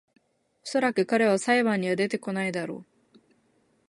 おそらく彼は裁判には出てこないだろ